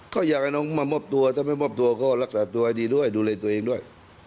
ก็อยากให้น้องมามอบตัวถ้าไม่มอบตัวก็รักษาตัวให้ดีด้วยดูแลตัวเองด้วย